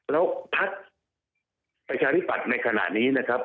แล้วพักประชาธิปัตย์ในขณะนี้นะครับ